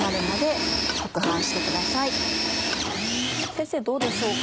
先生どうでしょうか。